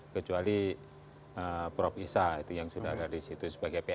kecuali prof isa itu yang sudah ada di situ sebagai pn